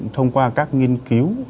thông qua các nghiên cứu